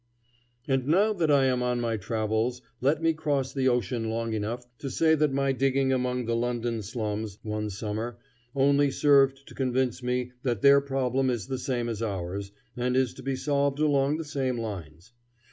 And now that I am on my travels let me cross the ocean long enough to say that my digging among the London slums one summer only served to convince me that their problem is the same as ours, and is to be solved along the same lines.